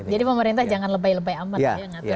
jadi pemerintah jangan lebay lebay amat ya ngaturnya